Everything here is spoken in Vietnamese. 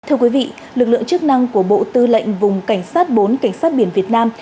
thưa quý vị lực lượng chức năng của bộ tư lệnh vùng cảnh sát bốn cảnh sát biển việt nam